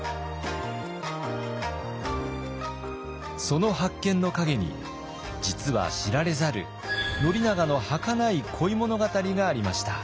その発見の陰に実は知られざる宣長のはかない恋物語がありました。